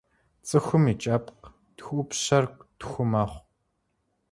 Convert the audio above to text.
Цӏыхум и кӏэпкъ тхыӏупщэр тху мэхъу.